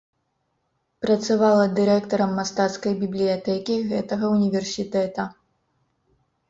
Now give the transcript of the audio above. Працавала дырэктарам мастацкай бібліятэкі гэтага ўніверсітэта.